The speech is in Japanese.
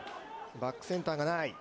バックセンターがない。